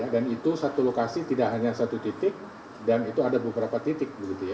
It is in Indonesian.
dan itu satu lokasi tidak hanya satu titik dan itu ada beberapa titik